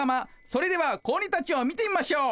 それでは子鬼たちを見てみましょう。